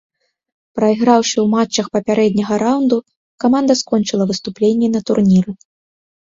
Прайграўшы ў матчах папярэдняга раўнду каманда скончыла выступленне на турніры.